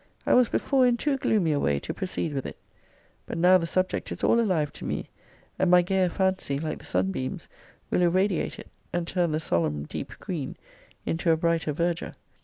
I was before in too gloomy a way to proceed with it. But now the subject is all alive to me, and my gayer fancy, like the sunbeams, will irradiate it, and turn the solemn deep green into a brighter verdure.